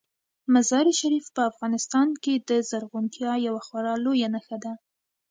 مزارشریف په افغانستان کې د زرغونتیا یوه خورا لویه نښه ده.